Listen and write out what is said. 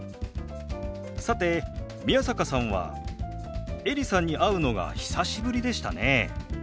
さて宮坂さんはエリさんに会うのが久しぶりでしたね。